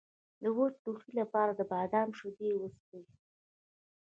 د وچ ټوخي لپاره د بادام شیدې وڅښئ